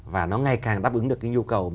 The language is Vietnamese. và nó ngay càng đáp ứng được nhu cầu